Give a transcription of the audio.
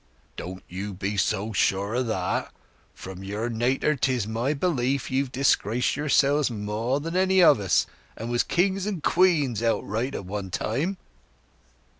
"Don't you be so sure o' that. From your nater 'tis my belief you've disgraced yourselves more than any o' us, and was kings and queens outright at one time."